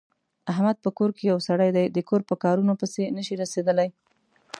احمد په کور کې یو سری دی، د کور په کارنو پسې نشي رسېدلی.